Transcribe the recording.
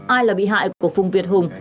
ai là bị hại của phùng việt hùng